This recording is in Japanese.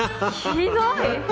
ひどい！